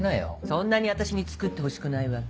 そんなに私に作ってほしくないわけ？